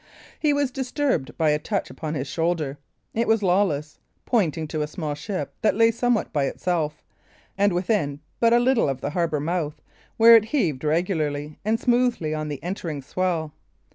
He was disturbed by a touch upon his shoulder. It was Lawless, pointing to a small ship that lay somewhat by itself, and within but a little of the harbour mouth, where it heaved regularly and smoothly on the entering swell.